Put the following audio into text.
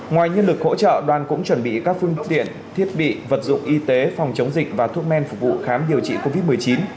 ngoài nhân lực hỗ trợ đoàn cũng chuẩn bị các phương tiện thiết bị vật dụng y tế phòng chống dịch và thuốc men phục vụ khám điều trị covid một mươi chín